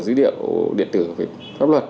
dữ liệu điện tử pháp luật